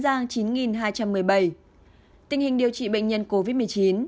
tình hình điều trị bệnh nhân covid một mươi chín